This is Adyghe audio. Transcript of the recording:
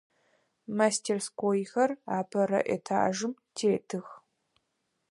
Мастерскойхэр апэрэ этажым тетых.